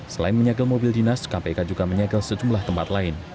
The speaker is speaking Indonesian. selain menyegel mobil dinas kpk juga menyegel sejumlah tempat lain